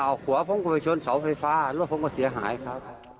เอาหัวผมก็ไปชนเสาไฟฟ้ารถผมก็เสียหายครับ